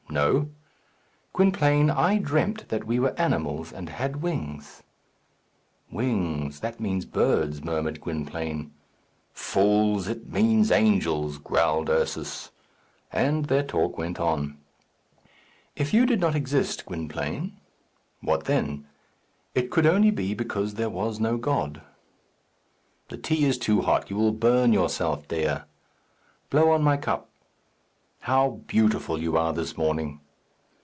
"No." "Gwynplaine, I dreamt that we were animals, and had wings." "Wings; that means birds," murmured Gwynplaine. "Fools! it means angels," growled Ursus. And their talk went on. "If you did not exist, Gwynplaine?" "What then?" "It could only be because there was no God." "The tea is too hot; you will burn yourself, Dea." "Blow on my cup." "How beautiful you are this morning!"